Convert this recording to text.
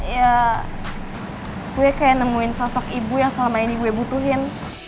ya gue kayak nemuin sosok ibu yang selama ini gue butuhin